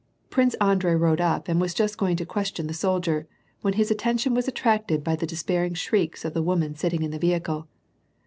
Prince Andrei rode up and was just going to question the soldier, when his attention was attracted by the despairing shrieks of the woman sitting in the vehicle.